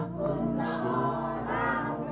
aku seorang kapiter